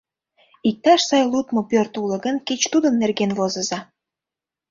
Иктаж сай лудмо пӧрт уло гын, кеч тудын нерген возыза.